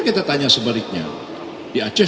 kita tanya sebaliknya di aceh